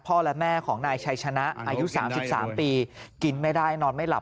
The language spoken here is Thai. และแม่ของนายชัยชนะอายุ๓๓ปีกินไม่ได้นอนไม่หลับ